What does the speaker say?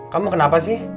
kamu kenapa sih